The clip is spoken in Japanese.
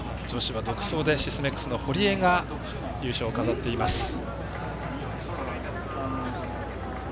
女子は独走でシスメックスの堀江が優勝を飾っています。